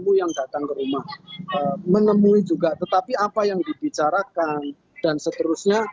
yang datang ke rumah menemui juga tetapi apa yang dibicarakan dan seterusnya